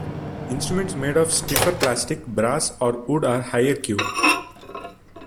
Instruments made of stiffer plastic, brass, or wood are higher-Q.